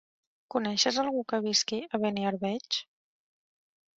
Coneixes algú que visqui a Beniarbeig?